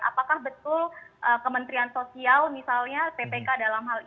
apakah betul kementerian sosial misalnya yang memiliki pengadaan barang dan jasa